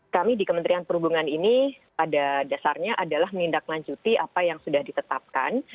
kami di kementerian perhubungan ini pada dasarnya adalah menindaklanjuti apa yang sudah ditetapkan